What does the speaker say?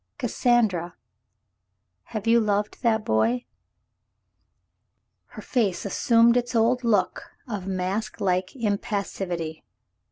Cassandra, have you loved that boy ?'* Her face assumed its old look of masklike impassivity.